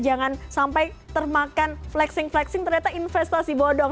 jangan sampai termakan flexing flexing ternyata investasi bodong